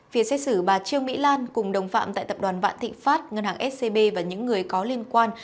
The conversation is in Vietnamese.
phía xét xử bà trương mỹ lan cùng đồng phạm tại tập đoàn vạn thịnh pháp ngân hàng scb và những người có liên quan